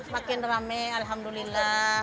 makin rame alhamdulillah